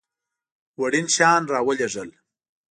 وړین شیان را ولېږل.